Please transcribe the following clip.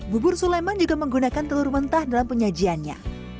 bubur suleman juga menggunakan telur mentah dalam penyajiannya